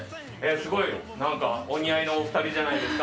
すごいお似合いのお二人じゃないですか。